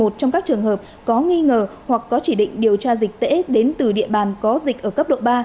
trong các trường hợp có nghi ngờ hoặc có chỉ định điều tra dịch tễ đến từ địa bàn có dịch ở cấp độ ba